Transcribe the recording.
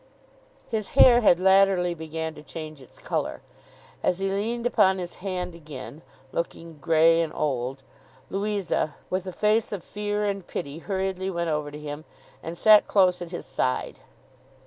His hair had latterly began to change its colour. As he leaned upon his hand again, looking gray and old, Louisa, with a face of fear and pity, hurriedly went over to him, and sat close at his side.